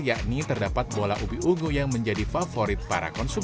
yakni terdapat bola ubi ungu yang menjadi favorit para konsumen